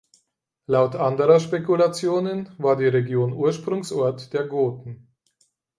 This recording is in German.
Laut anderer Spekulationen war die Region Ursprungsort der Goten.